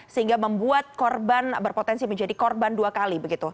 sehingga membuat korban berpotensi menjadi korban dua kali